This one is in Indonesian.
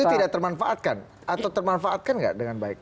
itu tidak termanfaatkan atau termanfaatkan nggak dengan baik